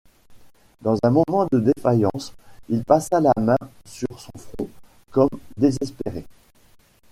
Dans un moment de défaillance, il passa la main sur son front, comme désespéré.